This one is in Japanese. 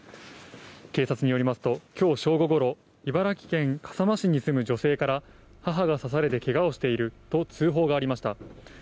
警察によりますと、きょう正午ごろ、茨城県笠間市に住む女性から、母が刺されてけがをしていると通報がありました。